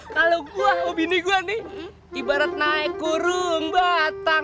kalau gue obini gue nih ibarat naik kurung batang